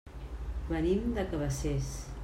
Venim de Cabacés.